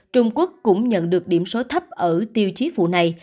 trung quốc cũng nhận được điểm số thấp ở tiêu chí phụ này